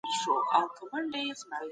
د دود وهلي ښار